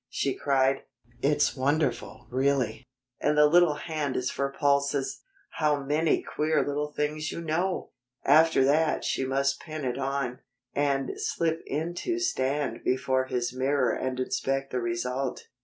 she cried. "It's wonderful, really. And the little hand is for pulses! How many queer things you know!" After that she must pin it on, and slip in to stand before his mirror and inspect the result.